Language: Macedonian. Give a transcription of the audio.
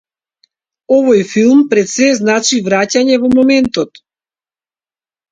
Овој филм, пред сѐ, значи враќање во моментот.